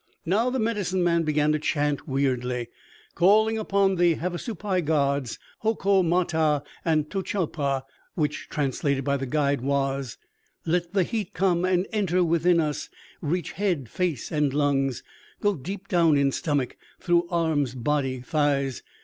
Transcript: Now the Medicine Man began to chant weirdly, calling upon the Havasupai gods, Hoko ma ta and To cho pa, which translated by the guide was: _"Let the heat come and enter within us, reach head, face and lungs, Go deep down in stomach, through arms, body, thighs.